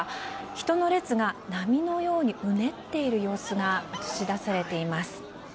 人の列が波のようにうねっている様子が映し出されています。